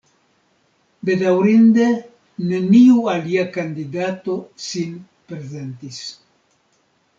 Bedaŭrinde neniu alia kandidato sin prezentis.